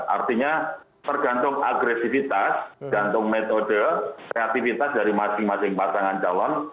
artinya tergantung agresivitas jantung metode kreativitas dari masing masing pasangan calon